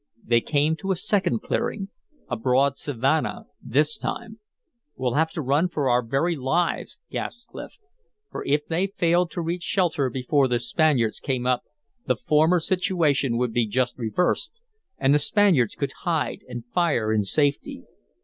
They came to a second clearing, a broad savanna this time. "We'll have to run for our very lives," gasped Clif. For if they failed to reach shelter before the Spaniards came up the former situation would be just reversed and the Spaniards could hide and fire in safety.